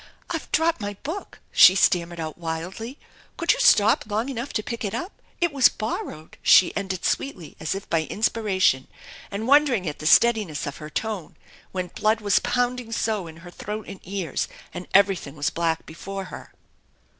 "I've dropped my book," she stammered out wildly "Could you stop long enough to pick it up? It was bor rowed !" she ended sweetly as if by inspiration, and wonder ing at the steadiness of her tone when blood was pounding so in her throat and ears, and everything was black before her.